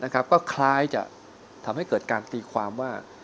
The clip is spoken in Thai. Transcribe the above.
ก็คล้ายจะทำให้เกิดการตีความว่า